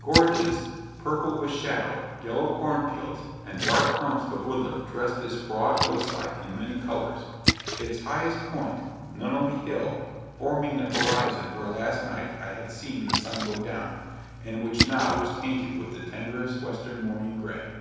Gorges, purple with shadow, yellow corn fields, and dark clumps of woodland dressed this broad hill side in many colours; its highest point, Nunnely Hill, forming the horizon where last night I had seen the sun go down, and which now was tinted with the tenderest western morning grey.